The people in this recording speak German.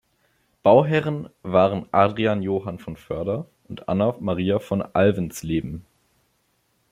Bauherren waren Adrian Johann von Förder und Anna Maria von Alvensleben.